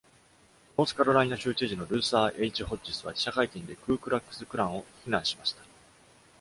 ノースカロライナ州知事のルーサー・ H ・ホッジスは、記者会見でクー・クラックス・クランを非難しました。